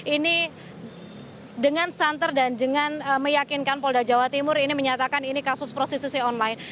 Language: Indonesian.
ini dengan santer dan dengan meyakinkan polda jawa timur ini menyatakan ini kasus prostitusi online